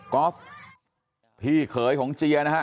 ออฟพี่เขยของเจียนะฮะ